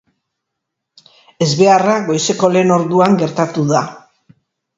Ezbeharra goizeko lehen orduan gertatu da.